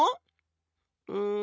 うん。